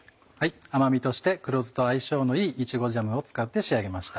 甘みとして黒酢と相性のいいいちごジャムを使って仕上げました